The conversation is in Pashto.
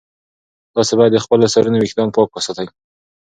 تاسي باید د خپلو سرونو ویښتان پاک وساتئ.